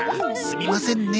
すみませんね。